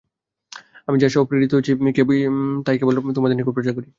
আমি যা সহ প্রেরিত হয়েছি কেবল তাই তোমাদের নিকট প্রচার করি।